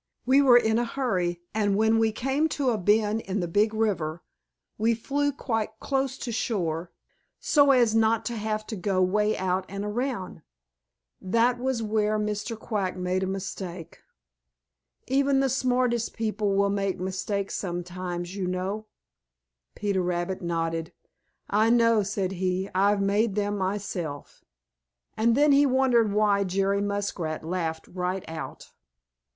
We were in a hurry, and when we came to a bend in the Big River, we flew quite close to shore, so as not to have to go way out and around. That was where Mr. Quack made a mistake. Even the smartest people will make mistakes sometimes, you know." Peter Rabbit nodded, "I know," said he. "I've made them myself." And then he wondered why Jerry Muskrat laughed right out.